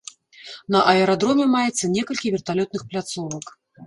На аэрадроме маецца некалькі верталётных пляцовак.